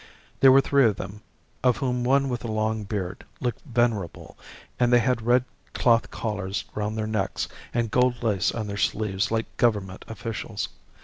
There were three of them, of whom one with a long beard looked venerable; and they had red cloth collars round their necks and gold lace on their sleeves like Government officials.